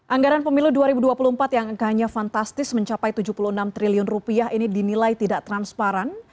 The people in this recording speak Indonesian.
anggaran pemilu dua ribu dua puluh empat yang angkanya fantastis mencapai rp tujuh puluh enam triliun rupiah ini dinilai tidak transparan